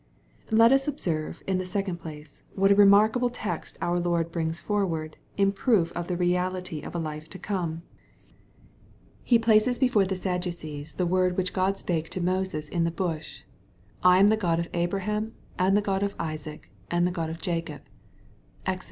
Let tts observe, in the second place, what a remarkable text our Lord brings forward, in proof of the reality of a life to come. He places before the Sadducees the wordi 13 290 EXPOSITOBT THOUGHTS. which €k)d spake to Moses in the bash :r'I am the God of Abraham, and the God of Isaac, and the Gtoi of Jacob/' (Exod.